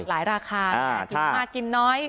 หลายราคาแต่มากินน้อย